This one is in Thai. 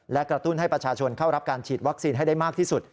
และกระตุ้นให้ประชาชนเข้ารับการฉีดวัคซีนให้ได้มากที่สุด